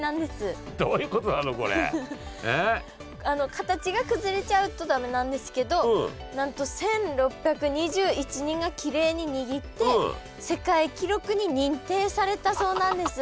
形が崩れちゃうと駄目なんですけどなんと１，６２１人がきれいににぎって世界記録に認定されたそうなんです。